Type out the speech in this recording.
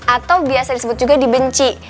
atau biasa disebut juga dibenci